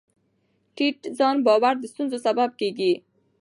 ټیټ ځان باور د ستونزو سبب کېږي.